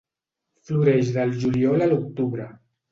Floreix del juliol a l'octubre.